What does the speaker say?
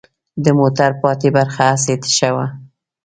د موټر پاتې برخه هسې تشه وه.